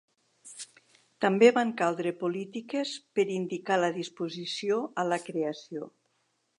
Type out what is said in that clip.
També van caldre polítiques per indicar la disposició a la creació.